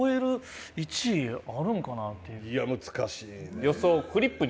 いや難しいね。